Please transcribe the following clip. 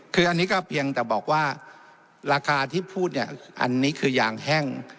คืออันนี้ก็เพียงแต่บอกว่าราคาที่พูดเนี่ยอันนี้คือยางแห้ง